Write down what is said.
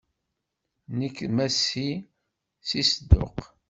Nekk d Masi si Sedduq.